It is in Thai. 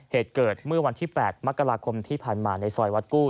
เหตุเกิดเมื่อวันที่๘มกราคมที่ผ่านมาในซอยวัดกู้